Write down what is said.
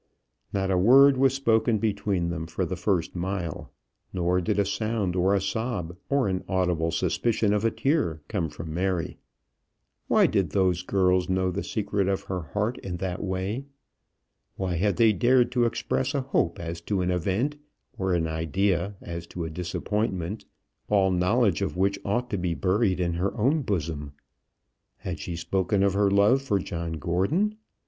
Not a word was spoken between them for the first mile, nor did a sound of a sob or an audible suspicion of a tear come from Mary. Why did those girls know the secret of her heart in that way? Why had they dared to express a hope as to an event, or an idea as to a disappointment, all knowledge of which ought to be buried in her own bosom? Had she spoken of her love for John Gordon?